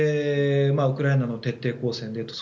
ウクライナの徹底抗戦で。